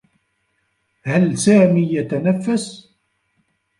هل سامي يتنفّس؟